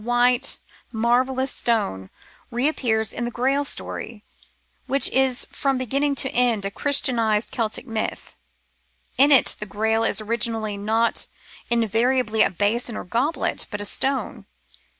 290 The Philosopher's Stone marvellous stone — reappears in the " Grail Story," which is from beginning to end a Christianised Keltic myth. In it the Grail is originally not invariably a basin or goblet, but a stone.